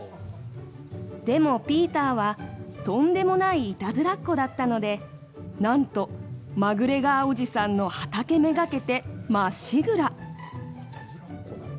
でもピーターは、とんでもない、いたずらっ子だったので、なんとマグレガーおじさんの畑めがけてまっしぐら。